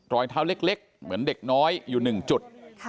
รอยเท้าเล็กเหมือนเด็กน้อยอยู่๑จุด